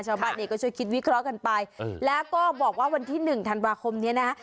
ชาวบ้านเนี่ยก็ช่วยคิดวิเคราะห์กันไปแล้วก็บอกว่าวันที่หนึ่งธันวาคมนี้นะฮะ